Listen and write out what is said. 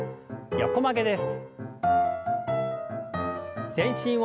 横曲げです。